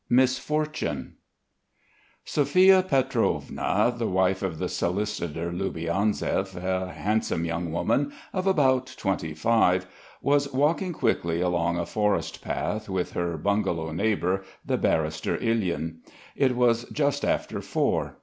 MISFORTUNE Sophia Pietrovna, the wife of the solicitor Loubianzev, a handsome young woman of about twenty five, was walking quickly along a forest path with her bungalow neighbour, the barrister Ilyin. It was just after four.